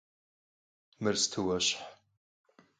Мыр сыту уэщхь!